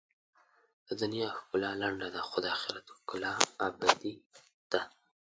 د دنیا ښکلا لنډه ده، خو د آخرت ښکلا ابدي ده.